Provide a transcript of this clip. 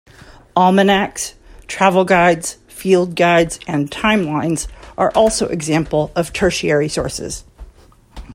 Almanacs, travel guides, field guides, and timelines are also examples of tertiary sources.